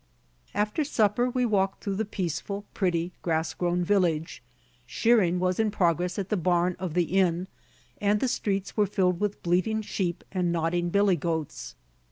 After supper we walked about the peaceful, pretty, grass grown village. Shearing was in progress at the barn of the inn, and the streets were filled with bleating sheep and nodding billy goats.